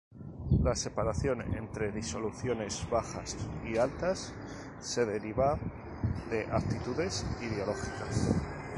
La separación entre disoluciones bajas y altas se derivaba de actitudes ideológicas.